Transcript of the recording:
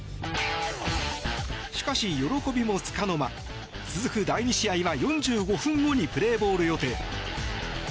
しかし、喜びもつかの間続く第２試合は４５分後にプレーボール予定。